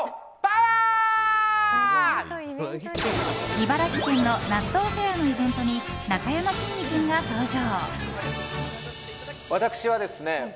茨城県の納豆フェアのイベントになかやまきんに君が登場。